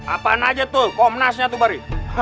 apaan aja tuh komunasnya tuh bare